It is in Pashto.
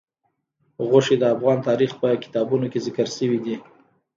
غوښې د افغان تاریخ په کتابونو کې ذکر شوی دي.